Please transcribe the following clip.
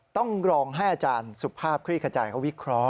ต้องรองให้อาจารย์สุภาพคลี่ขจายเขาวิเคราะห